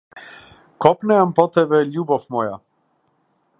Копнеам по тебе, љубов моја.